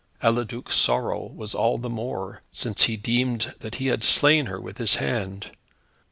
Eliduc's sorrow was all the more, since he deemed that he had slain her with his hand.